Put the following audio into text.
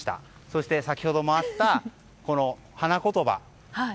そして、先ほどもあった花言葉。